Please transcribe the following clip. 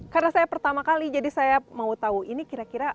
karena saya pertama kali jadi saya mau tahu ini kira kira